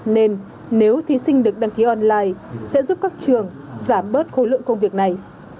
nên nếu thí sinh được đăng ký online sẽ giúp các trường giảm bớt khối lượng công việc này